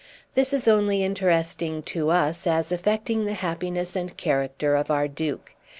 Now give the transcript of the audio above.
This is only interesting to us as affecting the happiness and character of our Duke.